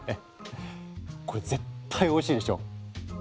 これ絶対おいしいでしょ！